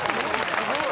すごい。